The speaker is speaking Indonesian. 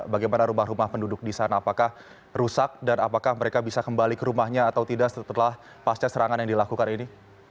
bagaimana rumah rumah penduduk di sana apakah rusak dan apakah mereka bisa kembali ke rumahnya atau tidak setelah pasca serangan yang dilakukan ini